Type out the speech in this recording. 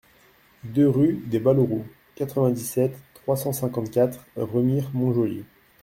deux rue des Balourous, quatre-vingt-dix-sept, trois cent cinquante-quatre, Remire-Montjoly